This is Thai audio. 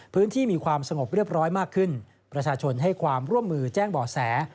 พื้นที่มีความสงบเรียบร้อยมากขึ้นประชาชนให้ความร่วมมือแจ้งบ่อแส